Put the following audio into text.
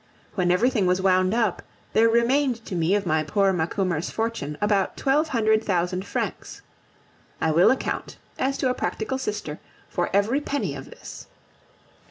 When everything was wound up, there remained to me of my poor Macumer's fortune about twelve hundred thousand francs. I will account, as to a practical sister, for every penny of this.